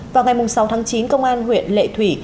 vào ngày sáu tháng chín công an huyện lệ thủy